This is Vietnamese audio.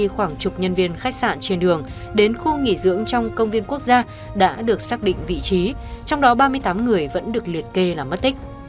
khoảng chục nhân viên khách sạn trên đường đến khu nghỉ dưỡng trong công viên quốc gia đã được xác định vị trí trong đó ba mươi tám người vẫn được liệt kê là mất tích